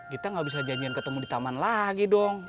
kita gak bisa janjian ketemu di taman lagi dong